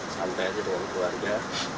santai aja dengan keluarga